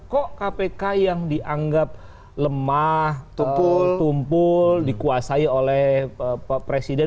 kok kpk yang dianggap lemah tumpul tumpul dikuasai oleh presiden